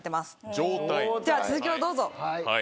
では続きをどうぞ。